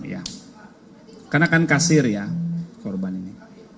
karena akan kasir ya korban ini